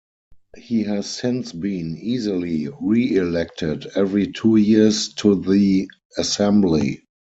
He has since been easily re-elected every two years to the Assembly.